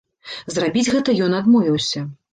Зрабіць гэта ён адмовіўся.